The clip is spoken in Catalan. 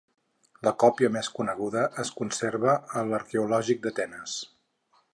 La còpia més coneguda es conserva a l'Arqueològic d'Atenes.